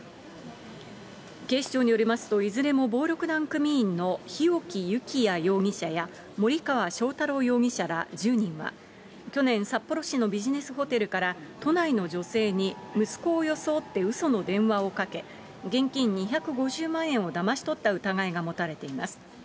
警視庁によりますと、いずれも暴力団組員の日沖幸矢容疑者や、森川将太郎容疑者ら１０人が、去年、札幌市のビジネスホテルから、都内の女性に息子を装ってうその電話をかけ、現金２５０万円をだまし取った疑いが持たれています。